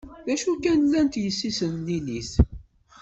Acu kan, llant yessi-s n Lilit.